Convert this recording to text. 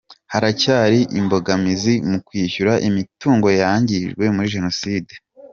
Haracyari imbogamizi mu kwishyura imitungo yangijwe muri Jenoside